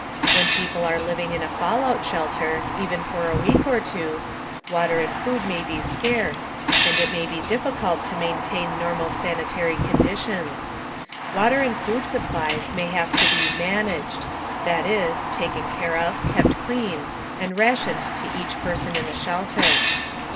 When people are living in a fallout shelter even for a week or two water and food may be scarce, and it may be difficult to maintain normal sanitary conditions. Water and food supplies may have to be "managed" that is, taken care of, kept clean, and rationed to each person in the shelter.